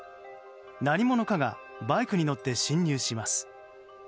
何者かがバイクに乗って侵入します。